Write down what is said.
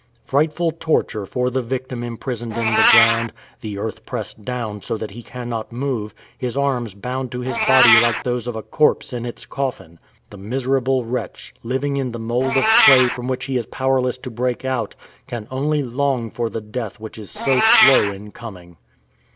Frightful torture for the victim imprisoned in the ground the earth pressed down so that he cannot move, his arms bound to his body like those of a corpse in its coffin! The miserable wretch, living in the mold of clay from which he is powerless to break out, can only long for the death which is so slow in coming!